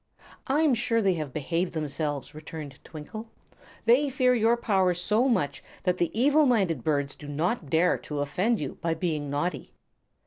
"I'm sure they have behaved themselves," returned Twinkle. "They fear your power so much that the evil minded birds do not dare to offend you by being naughty."